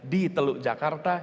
di teluk jakarta